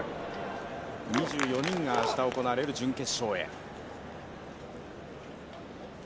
２４人が明日行われる準決勝へ。